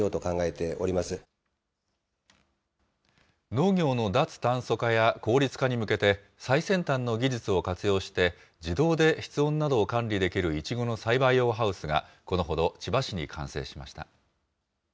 農業の脱炭素化や効率化に向けて、最先端の技術を活用して、自動で室温などを管理できるイチゴの栽培用ハウスが、このほど千葉市に完成しました。